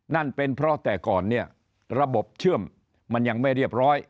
นั่นเป็นเพราะแต่ก่อนเนี่ยระบบเชื่อมมันยังไม่เรียบร้อย